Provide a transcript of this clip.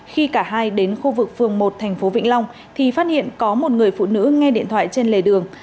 khi cả hai đến khu vực phường một thành phố vĩnh long thì phát hiện có một người phụ nữ nghe điện thoại trên lề đường